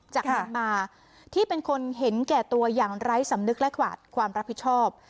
เมียนมาที่เป็นคนเห็นแก่ตัวอย่างไร้สำนึกและกวาดความรับผิดชอบ